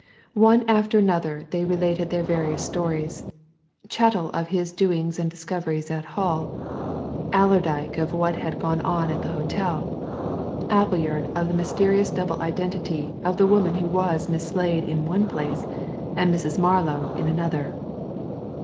One after another they related their various stories Chettle of his doings and discoveries at Hull, Allerdyke of what had gone on at the hotel, Appleyard of the mysterious double identity of the woman who was Miss Slade in one place and Mrs. Marlow in another.